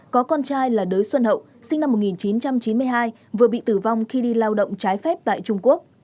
có con trai là đới xuân hậu sinh năm một nghìn chín trăm chín mươi hai vừa bị tử vong khi đi lao động trái phép tại trung quốc